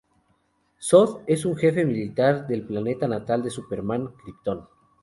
Zod es un jefe militar del planeta natal de Superman, Kryptón.